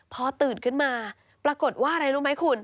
พอตื่นขึ้นมาปรากฏว่าอะไรรู้ไหมคุณ